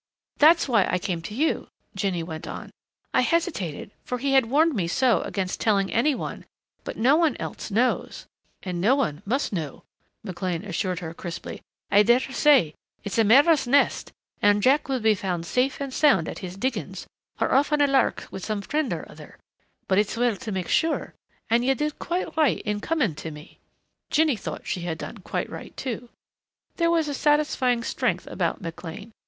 "That's why I came to you," Jinny went on. "I hesitated, for he had warned me so against telling any one, but no one else knows " "And no one must know," McLean assured her crisply. "I daresay it's a mare's nest and Jack will be found safe and sound at his diggings or off on a lark with some friend or other, but it's well to make sure and you did quite right in coming to me." Jinny thought she had done quite right, too. There was a satisfying strength about McLean.